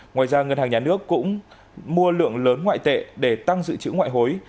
ngoài ra ngân hàng nhà nước cũng mua lượng lớn ngoại tệ để tăng dự trữ ngoại hối